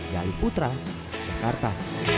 dari putra jakarta